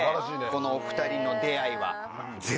このお２人の出会いは。